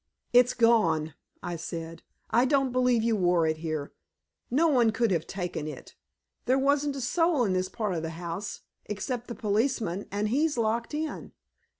"It's gone," I said. "I don't believe you wore it here. No one could have taken it. There wasn't a soul in this part of the house, except the policeman and he's locked in."